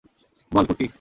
বল, কুট্টি।